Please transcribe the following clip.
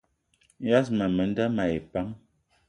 Yas ma menda mayi pam